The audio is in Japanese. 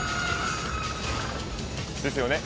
ですよね？